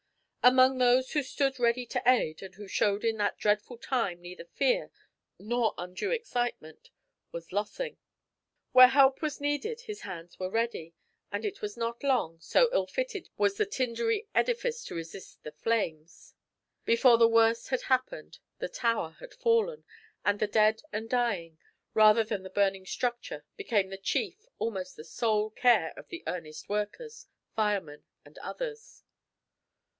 Among those who stood ready to aid, and who showed in that dreadful time neither fear nor undue excitement, was Lossing. Where help was needed his hands were ready, and it was not long, so ill fitted was the tindery edifice to resist the flames, before the worst had happened, the tower had fallen, and the dead and dying, rather than the burning structure, became the chief, almost the sole care of the earnest workers, firemen and others.